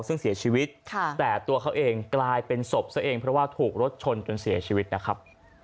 ซึ่งเสียชีวิตแต่ตัวเขาเองกลายเป็นศพซะเองเพราะว่าถูกรถชนจนเสียชีวิตนะครับ